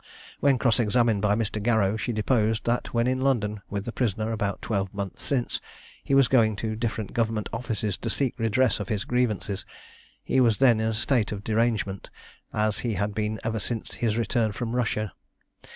When cross examined by Mr. Garrow, she deposed, that when in London with the prisoner about twelve months since, he was going to different government offices to seek redress of his grievances. He was then in a state of derangement, as he had been ever since his return from Russia.